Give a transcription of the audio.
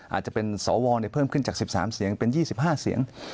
อาจจะเป็นสวเพิ่มขึ้นจาก๑๓เสียงเป็น๒๕เสียง